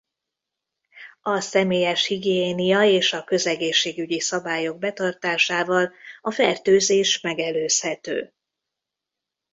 A személyes higiénia és a közegészségügyi szabályok betartásával a fertőzés megelőzhető.